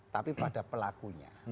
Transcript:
tapi pada pelakunya